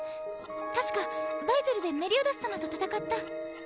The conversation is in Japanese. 確かバイゼルでメリオダス様と戦った。